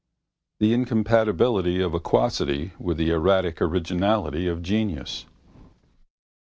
The incompatibility of aquacity with the erratic originality of genius.